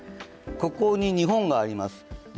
ここに日本があります。